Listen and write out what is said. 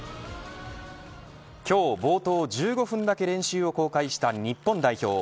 今日、冒頭１５分だけ練習を公開した日本代表。